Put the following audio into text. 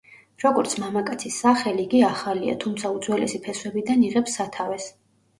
როგორც მამაკაცის სახელი იგი ახალია, თუმცა უძველესი ფესვებიდან იღებს სათავეს.